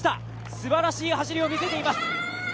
すばらしい走りを見せています。